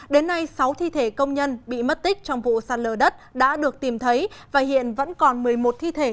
đến nay sáu thi thể công nhân bị mất tích trong vụ sạt lở đất đã được tìm thấy và hiện vẫn còn một mươi một thi thể